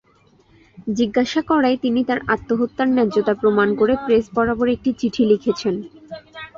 জিজ্ঞাসা করায়, তিনি তার আত্মহত্যার ন্যায্যতা প্রমাণ করে প্রেস বরাবর একটি চিঠি লিখেছেন।